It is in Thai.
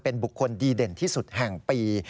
เป็นบุคคลดีเด่นที่สุดแห่งปี